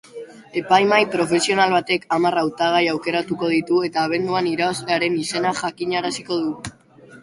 Epaimahai profesional batek hamar hautagai aukeratuko ditu eta abenduan irabazlearen izena jakinaraziko du.